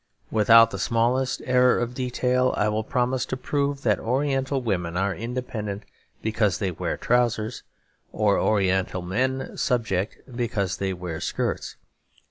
Without the smallest error of detail, I will promise to prove that Oriental women are independent because they wear trousers, or Oriental men subject because they wear skirts.